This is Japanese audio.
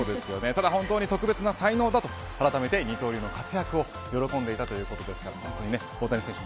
ただ、本当に特別な才能だとあらためて二刀流の活躍を喜んでいたということで大谷選手